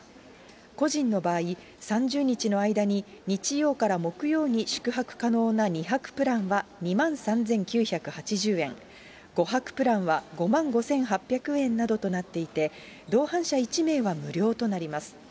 個人の場合、３０日の間に日曜から木曜に宿泊可能な２泊プランは２万３９８０円、５泊プランは５万５８００円などとなっていて、同伴者１名は無料となります。